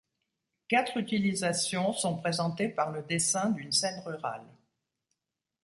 Quatre utilisations sont présentées par le dessin d'une scène rurale.